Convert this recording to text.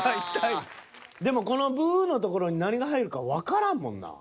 でもこのブー！の所に何が入るかわからんもんな。